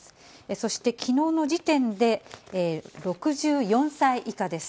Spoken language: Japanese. そして、きのうの時点で６４歳以下です。